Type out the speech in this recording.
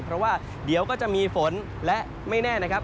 เพราะว่าเดี๋ยวก็จะมีฝนและไม่แน่นะครับ